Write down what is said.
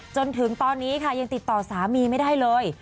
จนถึงตอนนี้ค่ะยังติดต่อสามีไม่ได้เลย